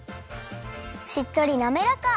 しっとりなめらか！